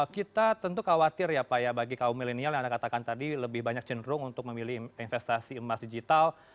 kita tentu khawatir ya pak ya bagi kaum milenial yang anda katakan tadi lebih banyak cenderung untuk memilih investasi emas digital